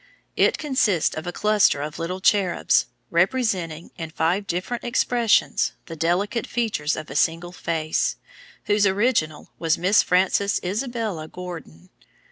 It consists of a cluster of little cherubs, representing, in five different expressions, the delicate features of a single face, whose original was Miss Frances Isabella Gordon.